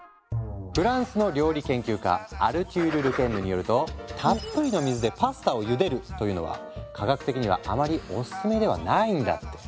フランスの料理研究家アルテュール・ル・ケンヌによるとたっぷりの水でパスタをゆでるというのは科学的にはあまりおすすめではないんだって。